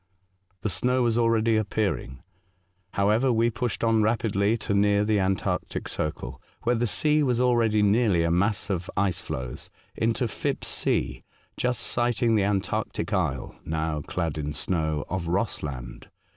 The snow was already appearing. However, we pushed on rapidly to near the antarctic circle, where the sea was already nearly a mass of ice floes, into Philipp's Sea, just sighting the antarctic isle (now clad in snow) of Rossland.